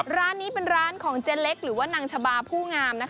ร้านนี้เป็นร้านของเจ๊เล็กหรือว่านางชะบาผู้งาม